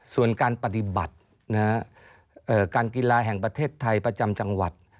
ส่วนการปฏิบัติการกีฬาแห่งประเทศไทยประจำจังหวัด